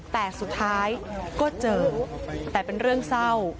แต่สุดท้ายก็เจอแต่เป็นเรื่องเศร้า